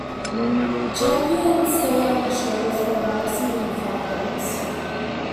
Champions stayed on the show for a maximum of five days.